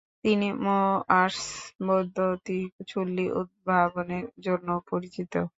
তিনি মোয়াসঁ বৈদ্যুতিক চুল্লী উদ্ভাবনের জন্যও পরিচিত।